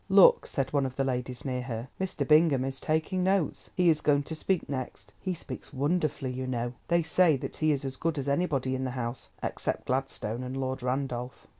"Look," said one of the ladies near her, "Mr. Bingham is taking notes. He is going to speak next—he speaks wonderfully, you know. They say that he is as good as anybody in the House, except Gladstone, and Lord Randolph."